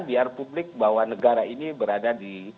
biar publik bahwa negara ini berada di